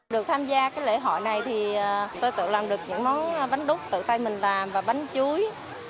được tham gia cái lễ hội này thì tôi tự làm được những món bánh đúc tự tay mình làm và bánh chuối